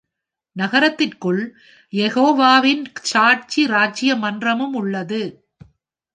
நகரத்திற்குள் யெகோவாவின் சாட்சி ராஜ்ய மன்றமும் உள்ளது.